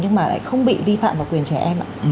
nhưng mà lại không bị vi phạm vào quyền trẻ em ạ